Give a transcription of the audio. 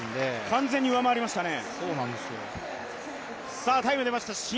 完全に上回りましたね。